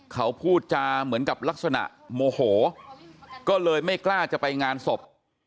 เขาพูดจาเหมือนกับลักษณะโมโหก็เลยไม่กล้าจะไปงานศพ